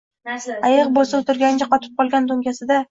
Ayiq bo’lsa o’tirgancha, qotib qolgan to’nkasida